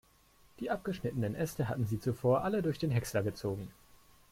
Die abgeschnittenen Äste hatten sie zuvor alle durch den Häcksler gezogen.